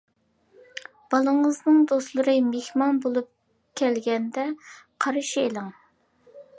بالىڭىزنىڭ دوستلىرى مېھمان بولۇپ كەلگەندە قارشى ئېلىڭ.